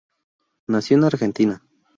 Nació en Argentina.